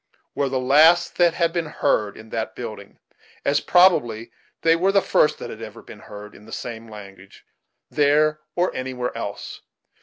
were the last that had been heard in that building, as probably they were the first that had ever been heard, in the same language, there or anywhere else.